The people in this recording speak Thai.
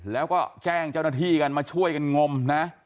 แล้วก็แจ้งเจ้าหน้าที่กันมาช่วยกันงมนะ